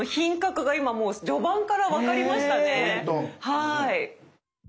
はい。